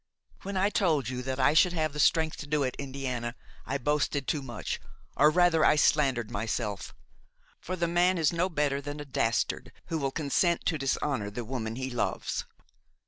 When I told you that I should have the strength to do it, Indiana, I boasted too much, or rather I slandered myself; for the man is no better than a dastard who will consent to dishonor the woman he loves.